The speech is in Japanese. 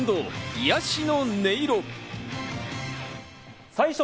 癒やしの音色。